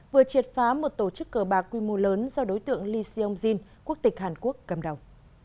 vừa triệt phá một tổ chức cờ bạc quy mô lớn do đối tượng lee seong jin quốc tịch hàn quốc cầm đầu